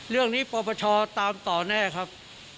เรื่องนี้ประปชาตามต่อแน่ครับ